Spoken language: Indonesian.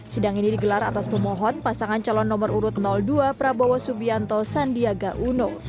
sidang ini digelar atas pemohon pasangan calon nomor urut dua prabowo subianto sandiaga uno